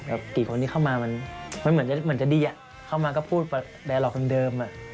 แบบกี่คนที่เข้ามามันมันเหมือนจะเหมือนจะดีอะเข้ามาก็พูดแบร์ล็อกคนเดิมอ่ะ